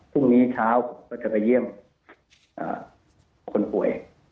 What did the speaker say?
พรุ่งนี้เช้าผมก็จะไปเยี่ยมคนป่วย